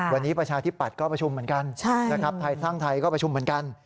วันนี้ประชาธิปัตย์ก็ประชุมเหมือนกันนะครับไทยสร้างไทยก็ประชุมเหมือนกัน